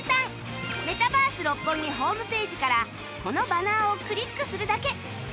メタバース六本木ホームページからこのバナーをクリックするだけ